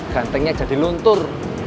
gantengnya jadi luntur